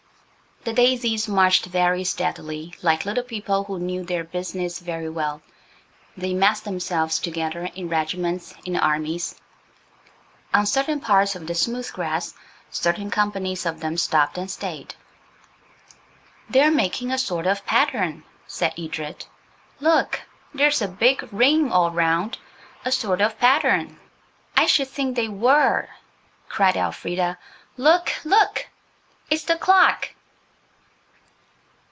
The daisies marched very steadily, like little people who knew their business very well. They massed themselves together in regiments, in armies. On certain parts of the smooth grass certain companies of them stopped and stayed. "They're making a sort of pattern," said Edred. "Look! there's a big ring all round–a sort of pattern." "I should think they were!" cried Elfrida. "Look! look! It's the clock."